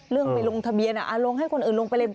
เรื่องไปลงทะเบียนลงให้คนอื่นลงไปเลย